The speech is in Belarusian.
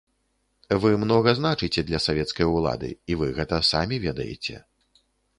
Вы многа значыце для савецкай улады, і вы гэта самі ведаеце.